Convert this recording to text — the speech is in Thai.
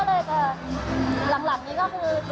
เรื่องกิจการของแบนยูทูด้วยแล้วก็เรื่องร่วมด้วย